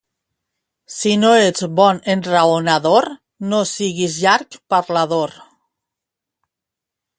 Si no ets bon enraonador, no siguis llarg parlador.